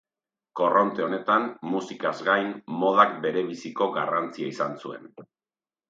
Korronte honetan, musikaz gain modak berebiziko garrantzia izan zuen.